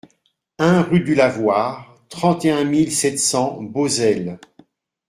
un rUE DU LAVOIR, trente et un mille sept cents Beauzelle